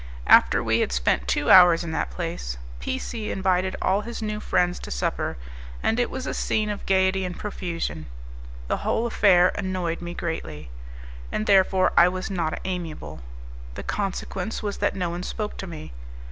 After we had spent two hours in that place, P C invited all his new friends to supper, and it was a scene of gaiety and profusion. The whole affair annoyed me greatly, and therefore I was not amiable; the consequence was that no one spoke to me.